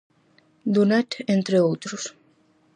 Dunet, entre outros.